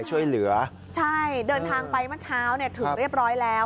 ใช่เดินทางไปเมื่อเช้าถึงเรียบร้อยแล้ว